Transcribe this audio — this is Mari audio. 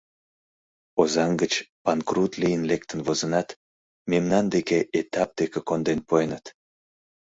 — Озаҥ гыч панкрут лийын лектын возынат, мемнан деке этап дене конден пуэныт.